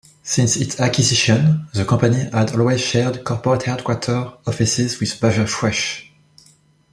Since its acquisition, the company had always shared corporate headquarter offices with Baja Fresh.